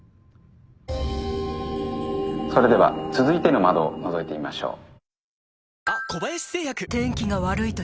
それでは続いての窓をのぞいてみましょう。